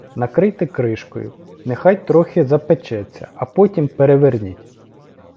Накрийте кришкою, нехай трохи запечеться, а потім переверніть.